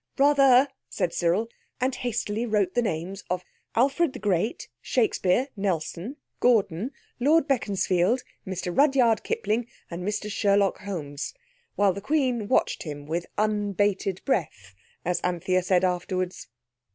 "Rather!" said Cyril, and hastily wrote the names of Alfred the Great, Shakespeare, Nelson, Gordon, Lord Beaconsfield, Mr Rudyard Kipling, and Mr Sherlock Holmes, while the Queen watched him with "unbaited breath", as Anthea said afterwards.